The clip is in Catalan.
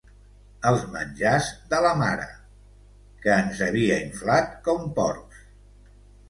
Els menjars de la mare... que ens havia inflat com porcs!